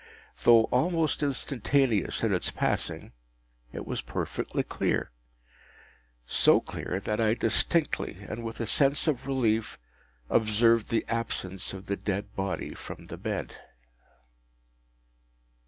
Though almost instantaneous in its passing, it was perfectly clear; so clear that I distinctly, and with a sense of relief, observed the absence of the dead body from the bed.